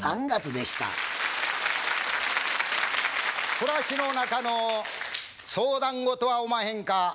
暮らしの中の相談事はおまへんか？